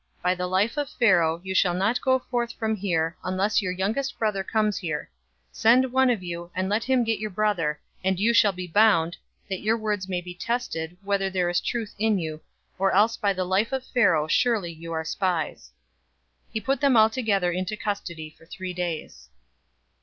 By the life of Pharaoh, you shall not go forth from here, unless your youngest brother comes here. 042:016 Send one of you, and let him get your brother, and you shall be bound, that your words may be tested, whether there is truth in you, or else by the life of Pharaoh surely you are spies." 042:017 He put them all together into custody for three days.